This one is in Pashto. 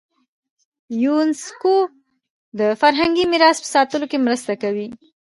یونسکو د فرهنګي میراث په ساتلو کې مرسته کوي.